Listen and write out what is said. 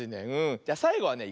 じゃさいごはねいくよ。